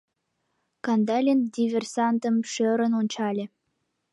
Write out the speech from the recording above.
— Кандалин диверсантым шӧрын ончале.